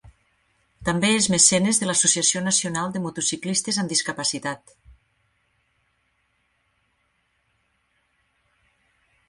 També és mecenes de l'Associació nacional de motociclistes amb discapacitat.